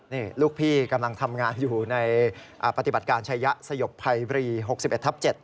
นี่ลูกพี่กำลังทำงานอยู่ในปฏิบัติการชายะสยบภัยบรี๖๑ทับ๗